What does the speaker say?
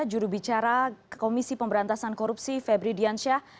juru bicara komisi pemberantasan korupsi febri diansyah